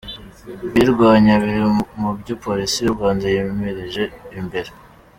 Kuyirwanya biri mu byo Polisi y’u Rwanda yimirije imbere.